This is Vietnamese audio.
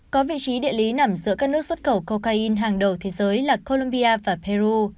có vị trí địa lý nằm giữa các nước xuất khẩu cocaine hàng đầu thế giới là colombia và peru